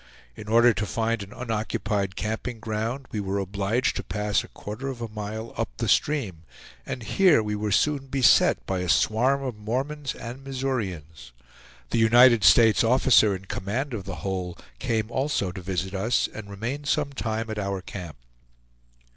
In order to find an unoccupied camping ground, we were obliged to pass a quarter of a mile up the stream, and here we were soon beset by a swarm of Mormons and Missourians. The United States officer in command of the whole came also to visit us, and remained some time at our camp.